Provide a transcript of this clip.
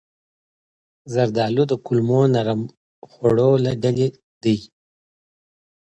زردالو د کولمو نرم خوړو له ډلې ده.